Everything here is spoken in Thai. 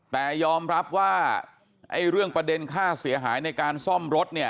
แต่ยอมรับว่าไอ้เรื่องประเด็นค่าเสียหายในการซ่อมรถเนี่ย